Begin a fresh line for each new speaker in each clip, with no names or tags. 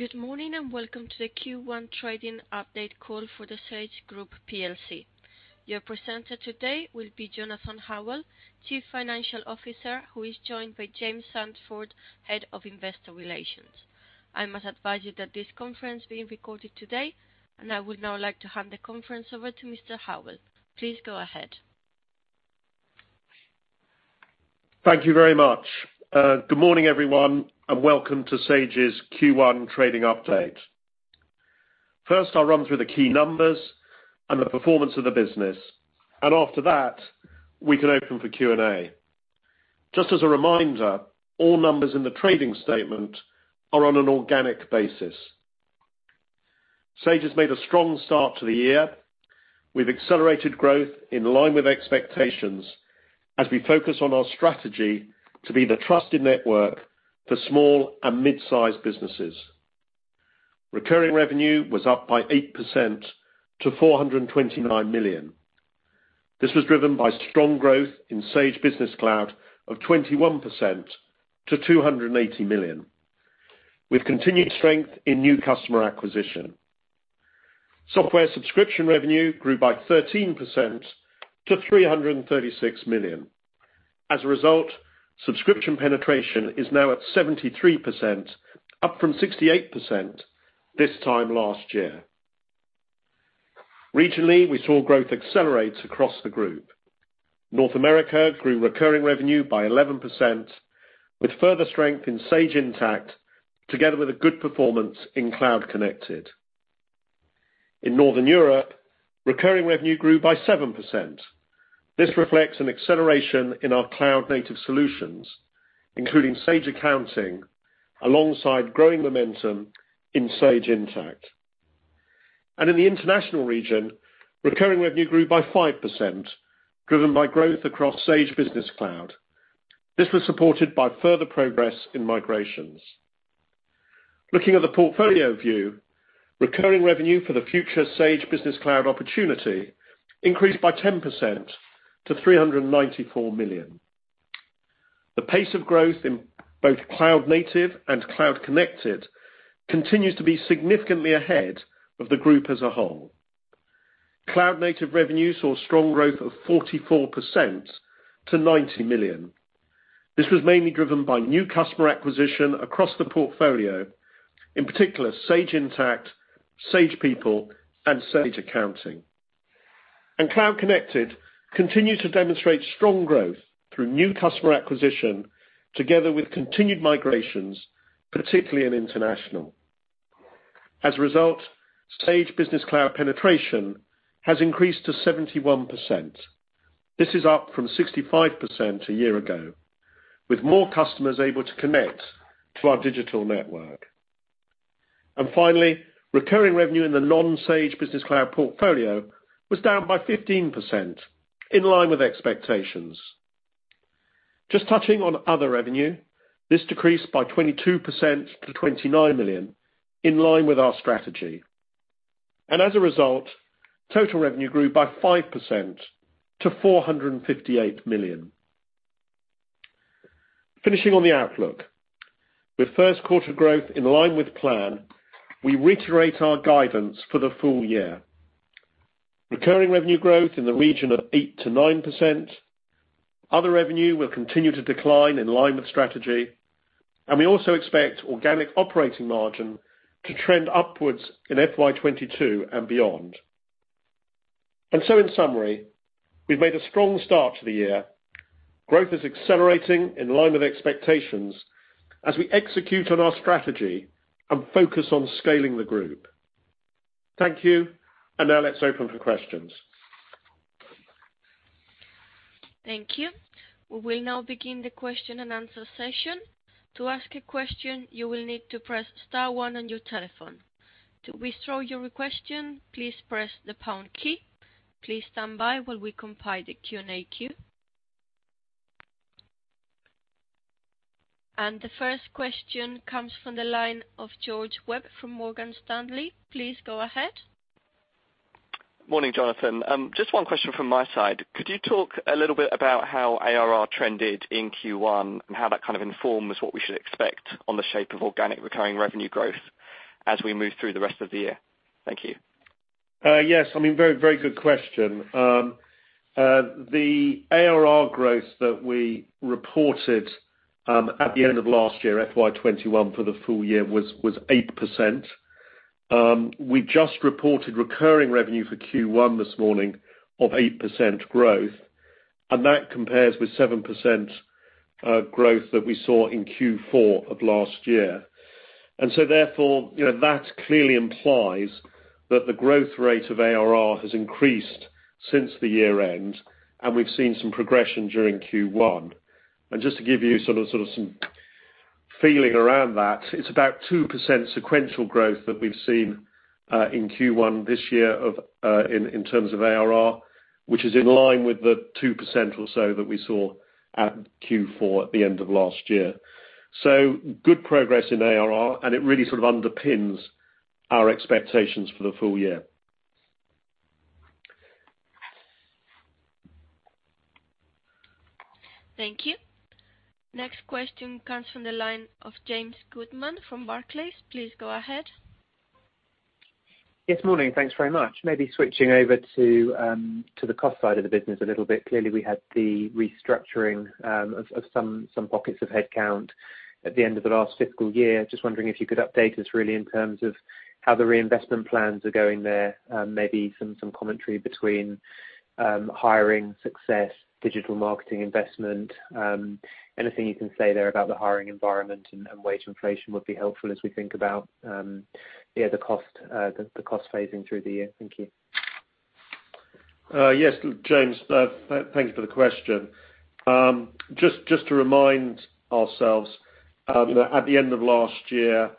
Good morning, and welcome to the Q1 trading update call for The Sage Group plc. Your presenter today will be Jonathan Howell, Chief Financial Officer, who is joined by James Sandford, Head of Investor Relations. I must advise you that this conference is being recorded today, and I would now like to hand the conference over to Mr. Howell. Please go ahead.
Thank you very much. Good morning, everyone, and welcome to Sage's Q1 trading update. First, I'll run through the key numbers and the performance of the business, and after that, we can open for Q&A. Just as a reminder, all numbers in the trading statement are on an organic basis. Sage has made a strong start to the year with accelerated growth in line with expectations as we focus on our strategy to be the trusted network for small and mid-sized businesses. Recurring revenue was up by 8% to 429 million. This was driven by strong growth in Sage Business Cloud of 21% to 280 million with continued strength in new customer acquisition. Software subscription revenue grew by 13% to 336 million. As a result, subscription penetration is now at 73%, up from 68% this time last year. Regionally, we saw growth accelerate across the group. North America grew recurring revenue by 11%, with further strength in Sage Intacct, together with a good performance in Cloud Connected. In Northern Europe, recurring revenue grew by 7%. This reflects an acceleration in our Cloud Native solutions, including Sage Accounting, alongside growing momentum in Sage Intacct. In the international region, recurring revenue grew by 5%, driven by growth across Sage Business Cloud. This was supported by further progress in migrations. Looking at the portfolio view, recurring revenue for the future Sage Business Cloud opportunity increased by 10% to 394 million. The pace of growth in both Cloud Native and Cloud Connected continues to be significantly ahead of the group as a whole. Cloud Native revenue saw strong growth of 44% to 90 million. This was mainly driven by new customer acquisition across the portfolio, in particular, Sage Intacct, Sage People, and Sage Accounting. Cloud Connected continued to demonstrate strong growth through new customer acquisition together with continued migrations, particularly in international. As a result, Sage Business Cloud penetration has increased to 71%. This is up from 65% a year ago, with more customers able to connect to our digital network. Finally, recurring revenue in the non-Sage Business Cloud portfolio was down by 15%, in line with expectations. Just touching on other revenue, this decreased by 22% to 29 million, in line with our strategy. As a result, total revenue grew by 5% to 458 million. Finishing on the outlook, with Q1 growth in line with plan, we reiterate our guidance for the full year. Recurring revenue growth in the region of 8%-9%. Other revenue will continue to decline in line with strategy, and we also expect organic operating margin to trend upwards in FY 2022 and beyond. In summary, we've made a strong start to the year. Growth is accelerating in line with expectations as we execute on our strategy and focus on scaling the group. Thank you. Now let's open for questions.
Thank you. We will now begin the question and answer session. To ask a question, you will need to press star one on your telephone. To withdraw your question, please press the pound key. Please stand by while we compile the Q&A queue. The first question comes from the line of George Webb from Morgan Stanley. Please go ahead.
Morning, Jonathan. Just one question from my side. Could you talk a little bit about how ARR trended in Q1 and how that kind of informs what we should expect on the shape of organic recurring revenue growth as we move through the rest of the year? Thank you.
Yes, I mean, very good question. The ARR growth that we reported at the end of last year, FY 2021 for the full year was 8%. We just reported recurring revenue for Q1 this morning of 8% growth, and that compares with 7% growth that we saw in Q4 of last year. Therefore, you know, that clearly implies that the growth rate of ARR has increased since the year end, and we've seen some progression during Q1. Just to give you sort of some feeling around that, it's about 2% sequential growth that we've seen in Q1 this year in terms of ARR, which is in line with the 2% or so that we saw at Q4 at the end of last year. Good progress in ARR, and it really sort of underpins our expectations for the full year.
Thank you. Next question comes from the line of James Goodman from Barclays. Please go ahead.
Yes, morning. Thanks very much. Maybe switching over to the cost side of the business a little bit. Clearly, we had the restructuring of some pockets of headcount at the end of the last fiscal year. Just wondering if you could update us really in terms of how the reinvestment plans are going there, maybe some commentary between hiring success, digital marketing investment. Anything you can say there about the hiring environment and wage inflation would be helpful as we think about yeah, the cost phasing through the year. Thank you.
Yes, James. Thanks for the question. Just to remind ourselves, at the end of last year,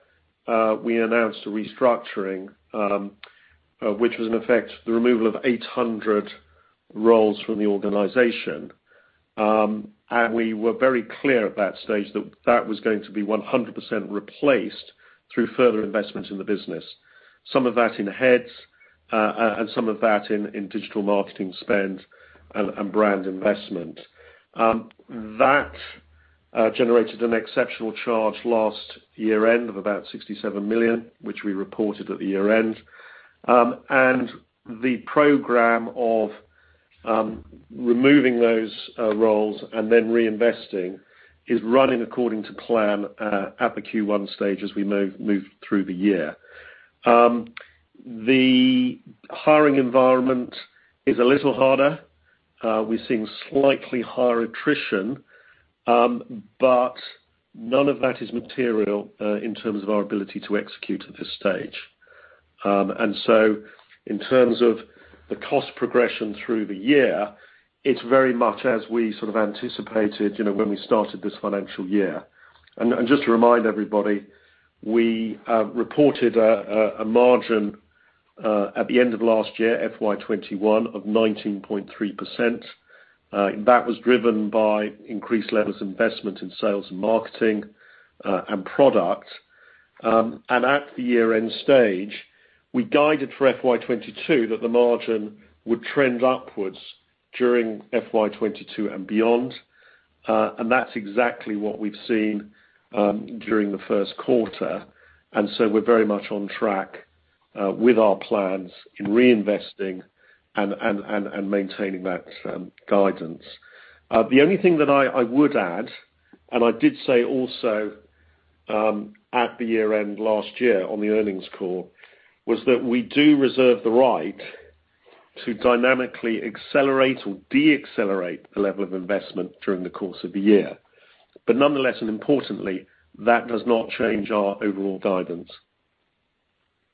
we announced a restructuring, which was, in effect, the removal of 800 roles from the organization. We were very clear at that stage that that was going to be 100% replaced through further investments in the business. Some of that in heads, and some of that in digital marketing spend and brand investment. That generated an exceptional charge last year-end of about 67 million, which we reported at the year-end. The program of removing those roles and then reinvesting is running according to plan, at the Q1 stage as we move through the year. The hiring environment is a little harder. We're seeing slightly higher attrition, but none of that is material in terms of our ability to execute at this stage. In terms of the cost progression through the year, it's very much as we sort of anticipated, you know, when we started this financial year. Just to remind everybody, we reported a margin at the end of last year, FY 2021, of 19.3%. That was driven by increased levels of investment in sales and marketing and product. At the year-end stage, we guided for FY 2022 that the margin would trend upwards during FY 2022 and beyond, and that's exactly what we've seen during the Q1. We're very much on track with our plans in reinvesting and maintaining that guidance. The only thing that I would add, and I did say also, at the year-end last year on the earnings call, was that we do reserve the right to dynamically accelerate or deaccelerate the level of investment during the course of the year. Nonetheless, and importantly, that does not change our overall guidance.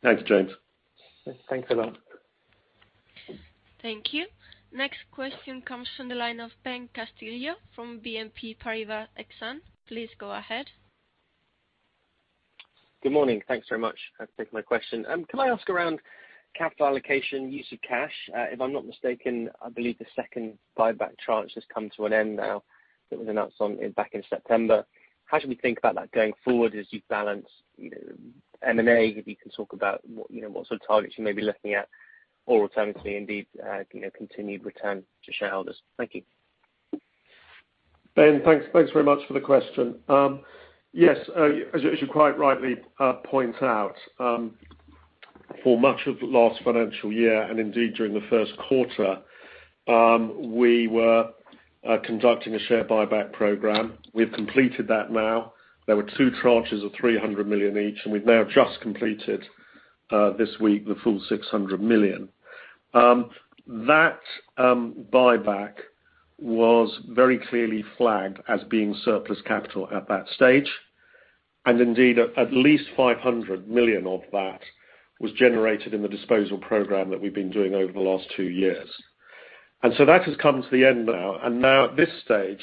Thanks, James.
Thanks a lot.
Thank you. Next question comes from the line of Ben Castillo from BNP Paribas Exane. Please go ahead.
Good morning. Thanks very much. Take my question. Can I ask about capital allocation, use of cash? If I'm not mistaken, I believe the second buyback tranche has come to an end now. That was announced back in September. How should we think about that going forward as you balance, you know, M&A? If you can talk about, you know, what sort of targets you may be looking at, or alternatively indeed, you know, continued return to shareholders. Thank you.
Ben, thanks very much for the question. Yes, as you quite rightly point out, for much of the last financial year and indeed during the Q1, we were conducting a share buyback program. We've completed that now. There were two tranches of 300 million each, and we've now just completed this week the full 600 million. That buyback was very clearly flagged as being surplus capital at that stage. Indeed, at least 500 million of that was generated in the disposal program that we've been doing over the last two years. That has come to the end now. Now at this stage,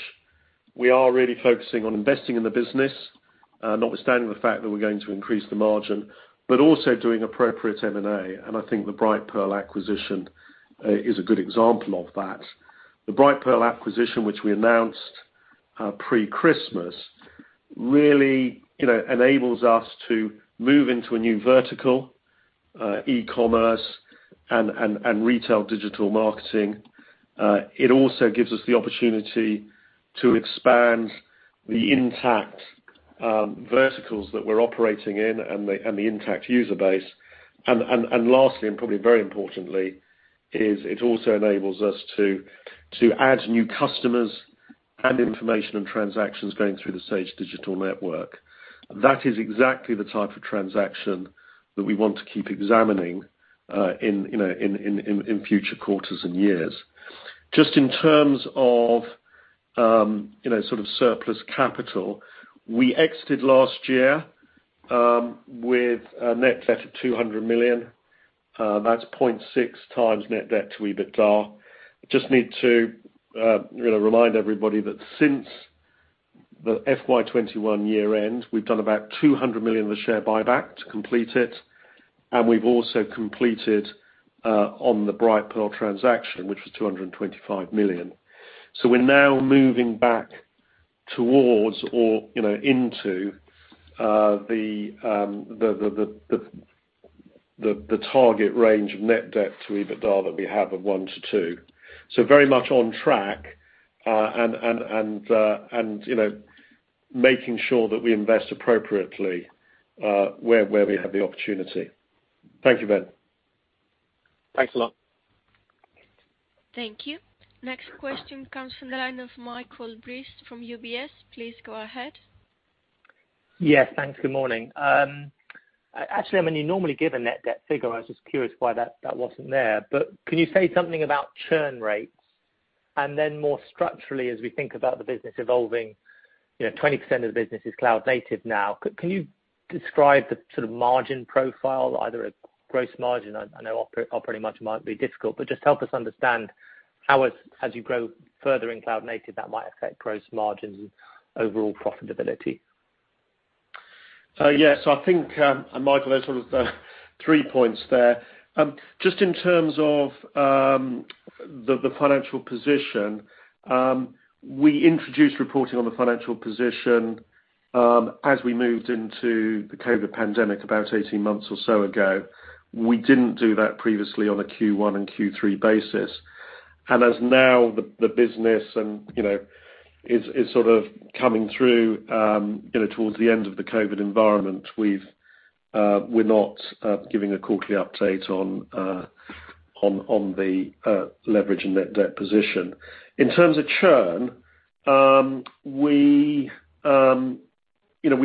we are really focusing on investing in the business, notwithstanding the fact that we're going to increase the margin, but also doing appropriate M&A. I think the Brightpearl acquisition is a good example of that. The Brightpearl acquisition, which we announced pre-Christmas, really, you know, enables us to move into a new vertical, e-commerce and retail digital marketing. It also gives us the opportunity to expand the Intacct verticals that we're operating in and the Intacct user base. Lastly, and probably very importantly, it also enables us to add new customers and information and transactions going through the Sage Network. That is exactly the type of transaction that we want to keep examining in, you know, future quarters and years. Just in terms of, you know, sort of surplus capital, we exited last year with a net debt of 200 million. That's 0.6 times net debt to EBITDA. Just need to, you know, remind everybody that since the FY 2021 year end, we've done about 200 million of the share buyback to complete it, and we've also completed on the Brightpearl transaction, which was 225 million. We're now moving back towards or, you know, into the target range of net debt to EBITDA that we have of 1-2. Very much on track, and, you know, making sure that we invest appropriately where we have the opportunity. Thank you, Ben.
Thanks a lot.
Thank you. Next question comes from the line of Michael Briest from UBS. Please go ahead.
Yes, thanks. Good morning. Actually, I mean, you normally give a net debt figure. I was just curious why that wasn't there. Can you say something about churn rates, and then more structurally, as we think about the business evolving, you know, 20% of the business is Cloud Native now. Can you describe the sort of margin profile, either a gross margin, I know operating margin might be difficult. Just help us understand how as you grow further in Cloud Native, that might affect gross margins and overall profitability.
Yes. I think, and Michael, there's sort of the three points there. Just in terms of the financial position, we introduced reporting on the financial position as we moved into the COVID pandemic about 18 months or so ago. We didn't do that previously on a Q1 and Q3 basis. As now the business and, you know, is sort of coming through, you know, towards the end of the COVID environment, we're not giving a quarterly update on the leverage and net debt position. In terms of churn, you know, we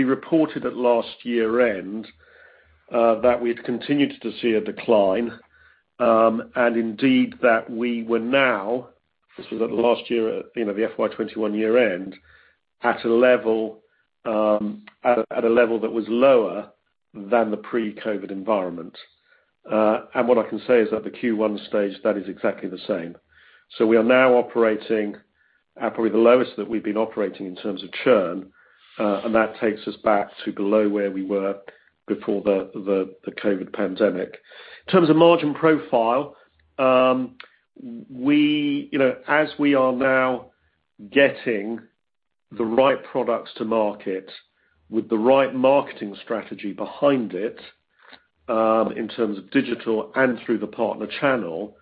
reported at last year-end that we had continued to see a decline, and indeed that we were now, this was at last year, you know, the FY 2021 year end, at a level that was lower than the pre-COVID environment. What I can say is at the Q1 stage, that is exactly the same. We are now operating at probably the lowest that we've been operating in terms of churn, and that takes us back to below where we were before the COVID pandemic. In terms of margin profile, you know, as we are now getting the right products to market with the right marketing strategy behind it, in terms of digital and through the partner channel,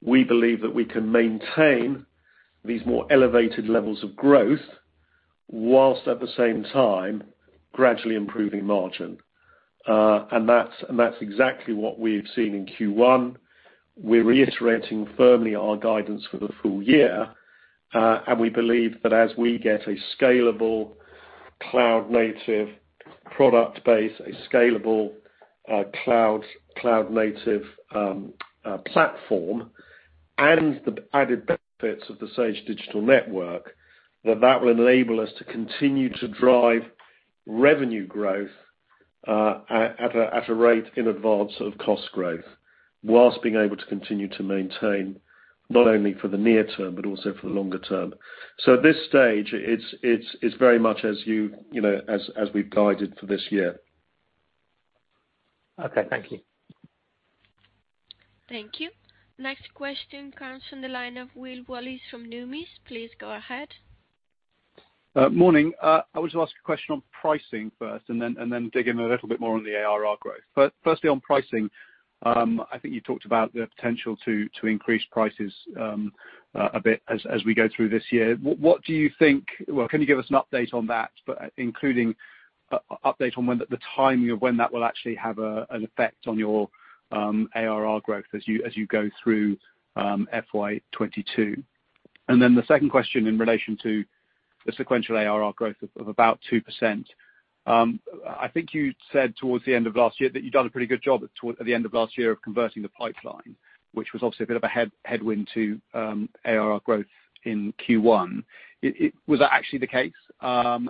we believe that we can maintain these more elevated levels of growth whilst at the same time gradually improving margin. And that's exactly what we've seen in Q1. We're reiterating firmly our guidance for the full year, and we believe that as we get a scalable Cloud Native product base, a scalable Cloud Native platform, and the added benefits of the Sage Network, that will enable us to continue to drive revenue growth at a rate in advance of cost growth, whilst being able to continue to maintain not only for the near term, but also for the longer term. At this stage, it's very much as you know, as we've guided for this year.
Okay. Thank you.
Thank you. Next question comes from the line of Will Wallis from Numis. Please go ahead.
Morning. I would just ask a question on pricing first and then dig in a little bit more on the ARR growth. Firstly on pricing, I think you talked about the potential to increase prices a bit as we go through this year. What do you think. Well, can you give us an update on that, but including update on the timing of when that will actually have an effect on your ARR growth as you go through FY 2022? The second question in relation to the sequential ARR growth of about 2%, I think you said towards the end of last year that you'd done a pretty good job at the end of last year of converting the pipeline, which was obviously a bit of a headwind to ARR growth in Q1. Was that actually the case? And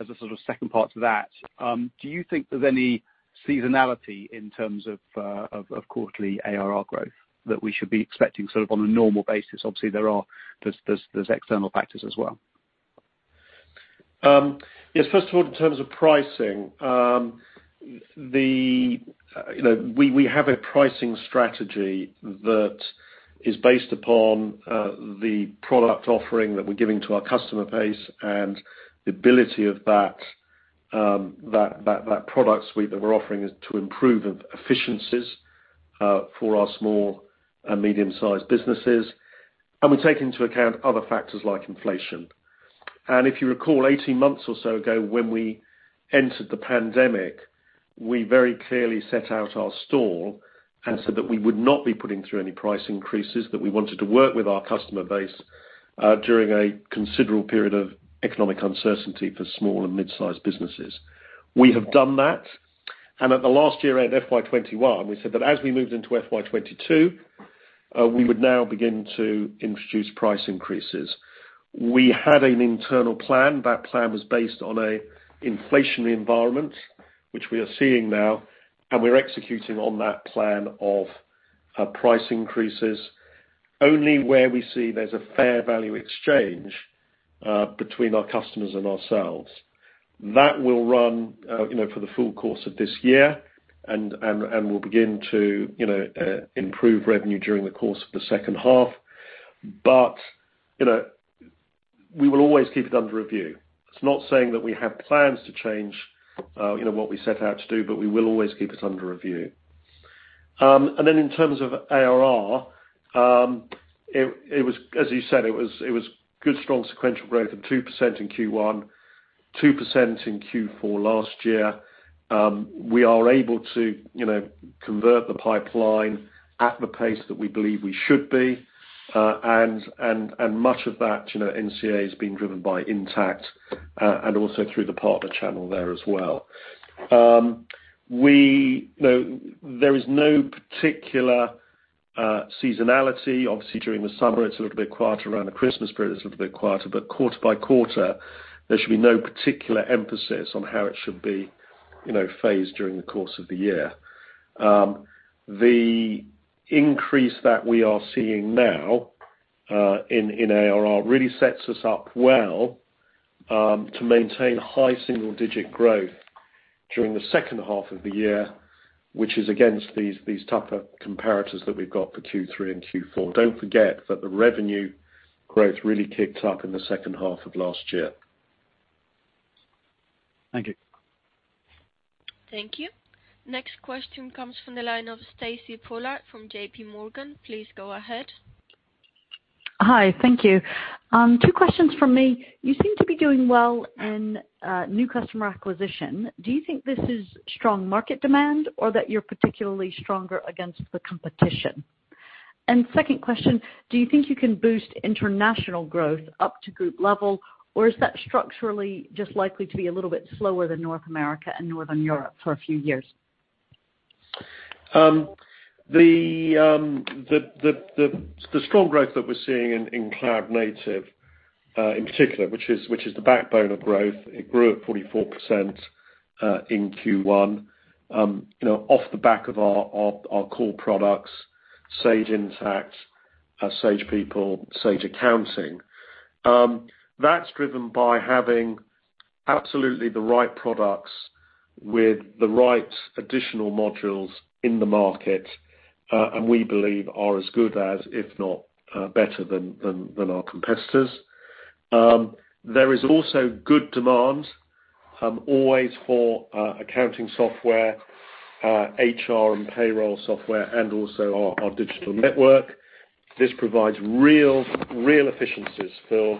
as a sort of second part to that, do you think there's any seasonality in terms of quarterly ARR growth that we should be expecting sort of on a normal basis? Obviously, there's external factors as well.
Yes. First of all, in terms of pricing, you know, we have a pricing strategy that is based upon the product offering that we're giving to our customer base and the ability of that product suite that we're offering is to improve efficiencies for our small and medium-sized businesses. We take into account other factors like inflation. If you recall, 18 months or so ago, when we entered the pandemic, we very clearly set out our stall and said that we would not be putting through any price increases, that we wanted to work with our customer base during a considerable period of economic uncertainty for small and mid-sized businesses. We have done that, and at the last year-end, FY 2021, we said that as we moved into FY 2022, we would now begin to introduce price increases. We had an internal plan. That plan was based on an inflationary environment, which we are seeing now, and we're executing on that plan of price increases only where we see there's a fair value exchange between our customers and ourselves. That will run, you know, for the full course of this year and will begin to, you know, improve revenue during the course of the H2. But you know, we will always keep it under review. It's not saying that we have plans to change, you know, what we set out to do, but we will always keep it under review. In terms of ARR, it was as you said, it was good strong sequential growth of 2% in Q1, 2% in Q4 last year. We are able to, you know, convert the pipeline at the pace that we believe we should be, and much of that, you know, NCA is being driven by Intacct, and also through the partner channel there as well. You know, there is no particular seasonality. Obviously, during the summer, it's a little bit quieter. Around the Christmas period, it's a little bit quieter. Quarter by quarter, there should be no particular emphasis on how it should be, you know, phased during the course of the year. The increase that we are seeing now in ARR really sets us up well to maintain high single-digit growth during the H2 of the year, which is against these tougher comparators that we've got for Q3 and Q4. Don't forget that the revenue growth really kicked up in the H2 of last year.
Thank you.
Thank you. Next question comes from the line of Stacy Pollard from JP Morgan. Please go ahead.
Hi. Thank you. Two questions from me. You seem to be doing well in new customer acquisition. Do you think this is strong market demand or that you're particularly stronger against the competition? Second question, do you think you can boost international growth up to group level, or is that structurally just likely to be a little bit slower than North America and Northern Europe for a few years?
The strong growth that we're seeing in Cloud Native in particular, which is the backbone of growth, it grew at 44% in Q1, you know, off the back of our core products, Sage Intacct, Sage People, Sage Accounting. That's driven by having absolutely the right products with the right additional modules in the market, and we believe are as good as, if not better than our competitors. There is also good demand always for accounting software, HR and payroll software, and also our digital network. This provides real efficiencies for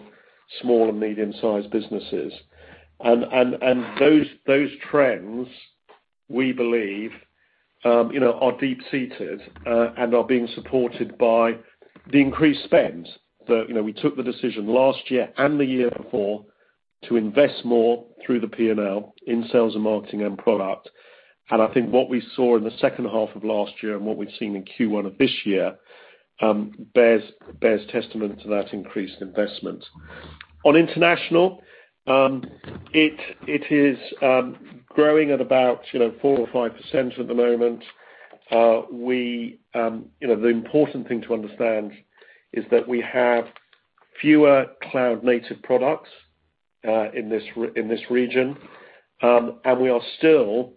small and medium-sized businesses. Those trends, we believe, you know, are deep-seated and are being supported by the increased spend that, you know, we took the decision last year and the year before to invest more through the P&L in sales and marketing and product. I think what we saw in the H2 of last year and what we've seen in Q1 of this year bears testament to that increased investment. On international, it is growing at about, you know, 4 or 5% at the moment. The important thing to understand is that we have fewer Cloud Native products in this region and we are still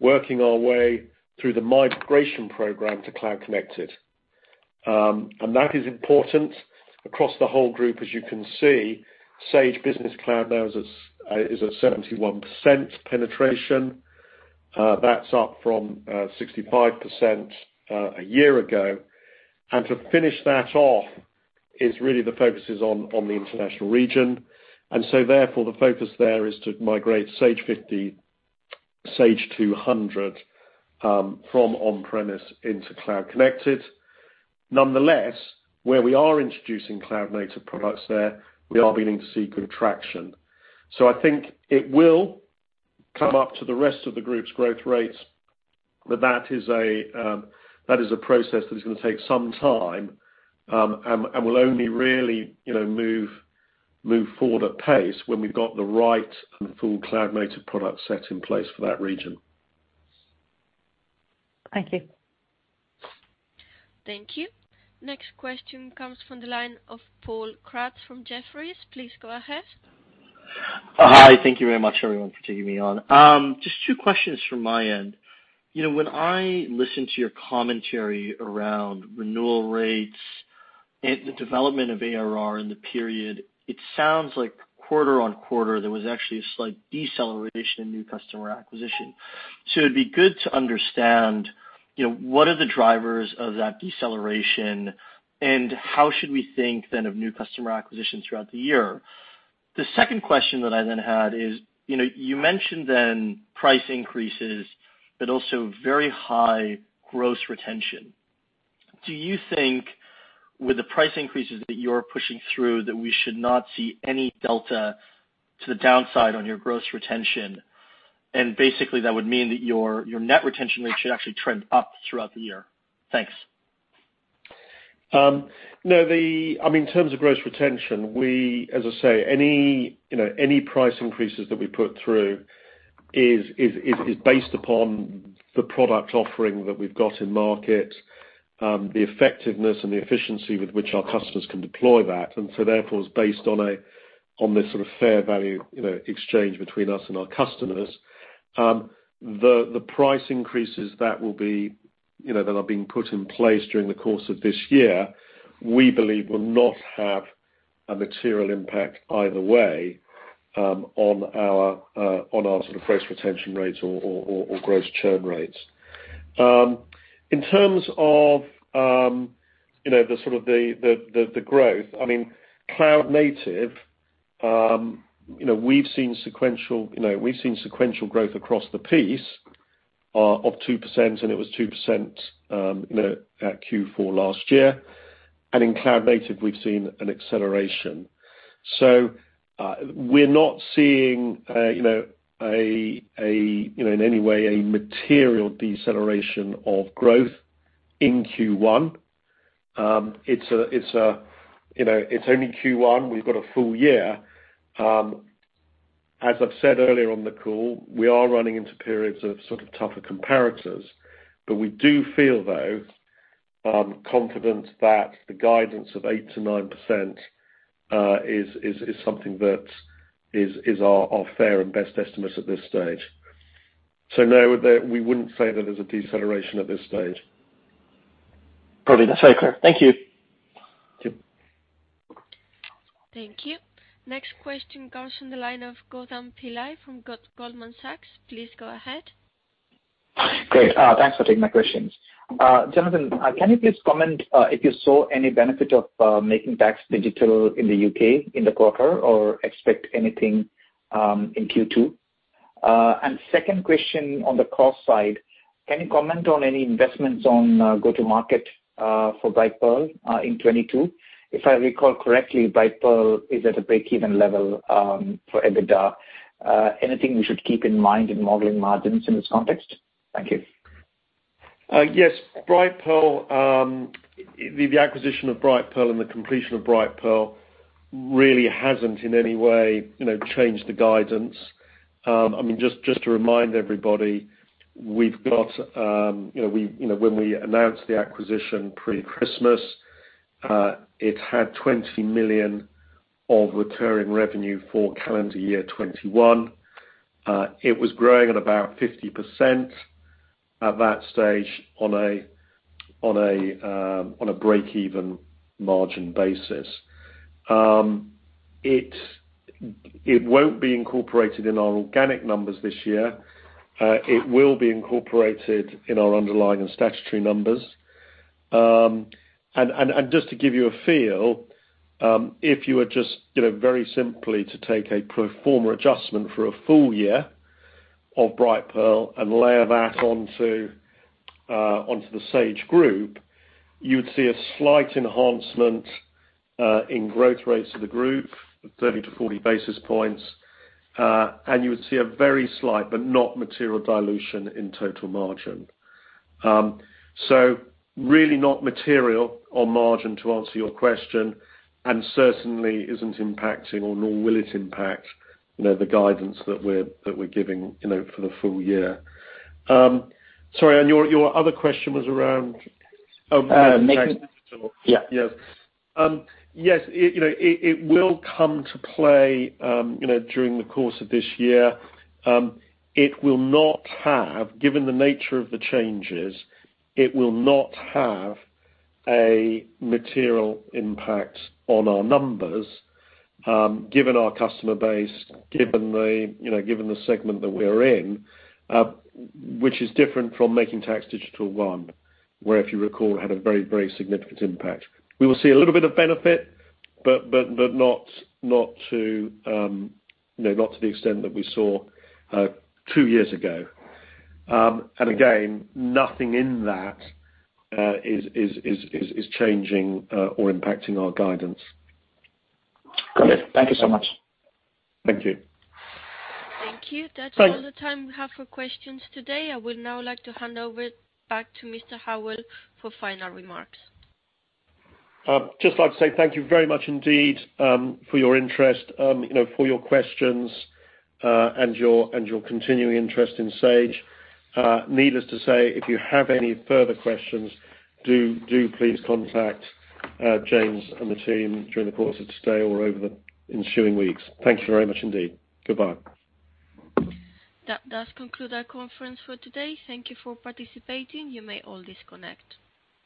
working our way through the migration program to Cloud Connected. That is important across the whole group. As you can see, Sage Business Cloud now is at 71% penetration. That's up from 65% a year ago. To finish that off is really the focus on the international region. Therefore, the focus there is to migrate Sage 50, Sage 200 from on-premise into Cloud Connected. Nonetheless, where we are introducing Cloud Native products there, we are beginning to see good traction. I think it will come up to the rest of the group's growth rates, but that is a process that is gonna take some time and will only really, you know, move forward at pace when we've got the right and full Cloud Native product set in place for that region.
Thank you.
Thank you. Next question comes from the line of Paul Kratz from Jefferies. Please go ahead.
Hi. Thank you very much, everyone, for taking me on. Just two questions from my end. You know, when I listen to your commentary around renewal rates and the development of ARR in the period, it sounds like quarter-on-quarter, there was actually a slight deceleration in new customer acquisition. It'd be good to understand, you know, what are the drivers of that deceleration, and how should we think then of new customer acquisitions throughout the year? The second question that I then had is, you know, you mentioned then price increases but also very high gross retention. Do you think with the price increases that you're pushing through, that we should not see any delta to the downside on your gross retention? And basically that would mean that your net retention rate should actually trend up throughout the year. Thanks.
No, I mean, in terms of gross retention, we, as I say, any price increases that we put through is based upon the product offering that we've got in market, the effectiveness and the efficiency with which our customers can deploy that, and so therefore it's based on a, on this sort of fair value, you know, exchange between us and our customers. The price increases that, you know, are being put in place during the course of this year, we believe will not have a material impact either way, on our sort of gross retention rates or gross churn rates. In terms of, you know, the sort of growth, I mean, Cloud Native, you know, we've seen sequential growth across the piece of 2%, and it was 2% at Q4 last year. In Cloud Native, we've seen an acceleration. We're not seeing, you know, in any way a material deceleration of growth in Q1. It's, you know, it's only Q1, we've got a full year. As I've said earlier on the call, we are running into periods of sort of tougher comparators. We do feel, though, confident that the guidance of 8%-9% is something that is our fair and best estimate at this stage. No, we wouldn't say that there's a deceleration at this stage.
Got it. That's very clear. Thank you.
Yep.
Thank you. Next question comes from the line of Gautam Pillai from Goldman Sachs. Please go ahead.
Great. Thanks for taking my questions. Jonathan, can you please comment if you saw any benefit of Making Tax Digital in the U.K. in the quarter or expect anything in Q2? Second question on the cost side, can you comment on any investments on go-to-market for Brightpearl in 2022? If I recall correctly, Brightpearl is at a break-even level for EBITDA. Anything we should keep in mind in modeling margins in this context? Thank you.
Yes, Brightpearl, the acquisition of Brightpearl and the completion of Brightpearl really hasn't in any way, you know, changed the guidance. I mean, just to remind everybody, you know, when we announced the acquisition pre-Christmas, it had 20 million of recurring revenue for calendar year 2021. It was growing at about 50% at that stage on a break-even margin basis. It won't be incorporated in our organic numbers this year. It will be incorporated in our underlying and statutory numbers. Just to give you a feel, if you were just, you know, very simply to take a pro forma adjustment for a full year of Brightpearl and layer that onto the Sage Group, you'd see a slight enhancement in growth rates of the group, 30-40 basis points, and you would see a very slight but not material dilution in total margin. Really not material on margin to answer your question, and certainly isn't impacting or nor will it impact, you know, the guidance that we're giving, you know, for the full year. Sorry, your other question was around-
Uh, making-
Making Tax Digital.
Yeah.
Yes. Yes, it will come to play, you know, during the course of this year. It will not have, given the nature of the changes, a material impact on our numbers, given our customer base, given the segment that we're in, which is different from Making Tax Digital one, where if you recall, had a very significant impact. We will see a little bit of benefit, but not to the extent that we saw two years ago. Nothing in that is changing or impacting our guidance.
Got it. Thank you so much.
Thank you.
Thank you.
Thanks.
That's all the time we have for questions today. I would now like to hand over back to Mr. Howell for final remarks.
Just like to say thank you very much indeed for your interest, you know, for your questions and your continuing interest in Sage. Needless to say, if you have any further questions, do please contact James and the team during the course of today or over the ensuing weeks. Thank you very much indeed. Goodbye.
That does conclude our conference for today. Thank you for participating. You may all disconnect.